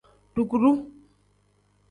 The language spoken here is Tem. Dukuru.